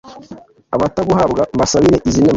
abataguhabwa mbasabire, izi nema